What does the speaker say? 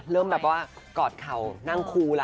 เริ่มแบบว่ากอดเข่านั่งครูแล้ว